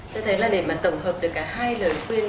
tôi thấy là để mà tổng hợp được cả hai lời khuyên